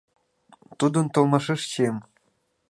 Тудын толмашеш чием